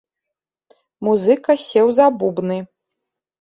Музыка сеў за бубны.